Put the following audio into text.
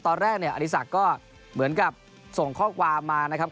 ตอนแรกเนี่ยอดีศักดิ์ก็เหมือนกับส่งข้อความมานะครับ